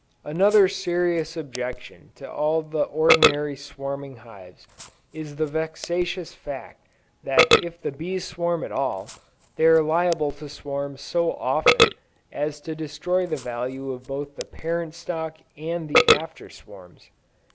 Another serious objection to all the ordinary swarming hives, is the vexatious fact that if the bees swarm at all, they are liable to swarm so often as to destroy the value of both the parent stock and the after swarms.